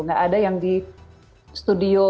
nah ada yang di studio